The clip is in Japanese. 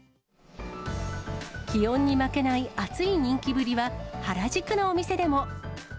気温に負けない熱い人気ぶりは、原宿のお店でも。